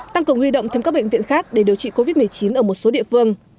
tăng cường huy động thêm các bệnh viện khác để điều trị covid một mươi chín ở một số địa phương